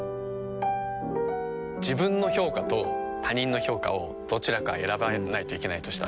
自分の評価と他人の評価をどちらか選ばないといけないとしたら？